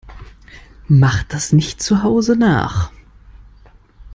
Macht das nicht zu Hause nach!